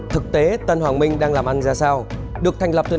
thực tế tân hoàng minh đang làm ăn ra sao